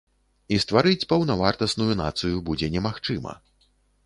І стварыць паўнавартасную нацыю будзе немагчыма.